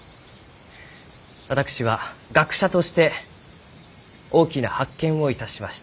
私は学者として大きな発見をいたしました。